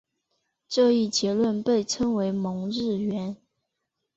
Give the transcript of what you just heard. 这一结论被称为蒙日圆。